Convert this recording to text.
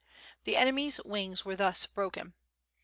The enemy's wings were thus broken.